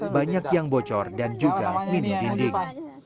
banyak yang bocor dan juga minum dinding